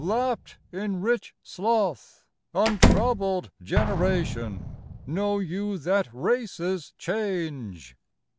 Lapped in rich sloth; untroubled generation! Know you that races change?